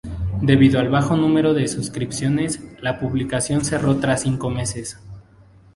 Debido al bajo número de suscripciones, La publicación cerró tras cinco meses.